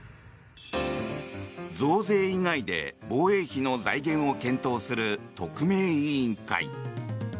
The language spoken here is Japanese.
増税以外で防衛費の財源を検討する特命委員会。